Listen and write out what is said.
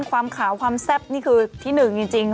ความขาวความแซ่บนี่คือที่หนึ่งจริง